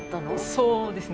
そうですね。